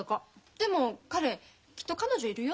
でも彼きっと彼女いるよ。